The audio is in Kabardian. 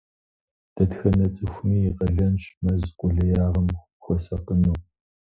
Дэтхэнэ цӀыхуми и къалэнщ мэз къулеягъым хуэсакъыну.